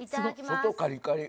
外カリカリ。